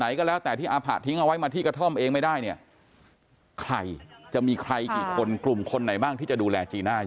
ก็แล้วแต่ที่อาผะทิ้งเอาไว้มาที่กระท่อมเองไม่ได้เนี่ยใครจะมีใครกี่คนกลุ่มคนไหนบ้างที่จะดูแลจีน่า